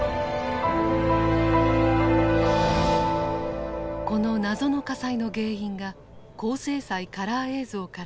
この謎の火災の原因が高精細カラー映像から浮かび上がった。